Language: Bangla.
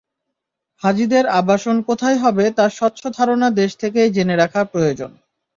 হাজিদের আবাসন কোথায় হবে, তার স্বচ্ছ ধারণা দেশ থেকেই জেনে রাখা প্রয়োজন।